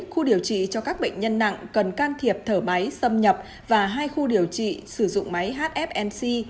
khu điều trị cho các bệnh nhân nặng cần can thiệp thở máy xâm nhập và hai khu điều trị sử dụng máy hfnc